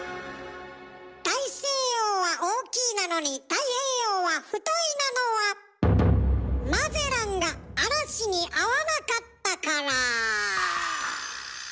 大西洋は「大」なのに太平洋は「太」なのはマゼランが嵐にあわなかったから。